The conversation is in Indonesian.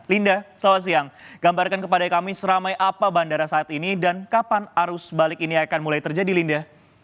linda selamat siang gambarkan kepada kami seramai apa bandara saat ini dan kapan arus balik ini akan mulai terjadi linda